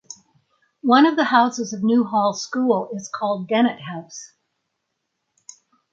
One the houses of New Hall School is called Dennett House.